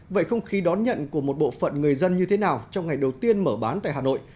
vậy không khí đón nhận của một bộ phận người dân như thế nào trong ngày đầu tiên mở bán tại hà nội